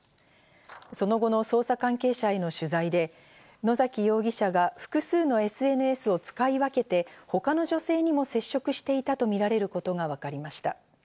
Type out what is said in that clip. その後の捜査関係者への取材で野崎容疑者が複数のＳＮＳを使い分けて、他の女性にも接触していたとみられることがわかりました。